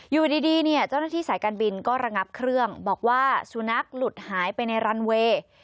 อยู่ดีเนี่ยเจ้าหน้าที่สายการบินก็ระงับเครื่องบอกว่าสุนัขหลุดหายไปในรันเวย์